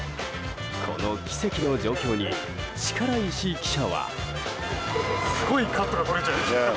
この奇跡の状況に力石記者は。